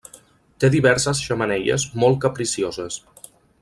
Té diverses xemeneies molt capricioses.